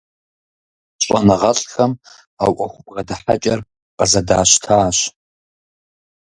ЩӀэныгъэлӀхэм а Ӏуэху бгъэдыхьэкӀэр къызэдащтащ.